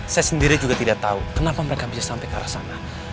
saya sendiri juga tidak tahu kenapa mereka bisa sampai ke arah sana